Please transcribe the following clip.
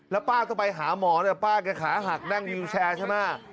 แล้วป้าต้องไปหาหมอเนี่ยป้าแกขาหักนั่งวิวแชร์ใช่ไหม